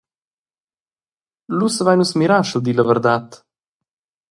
Lu savein nus mirar sch’el di la verdad!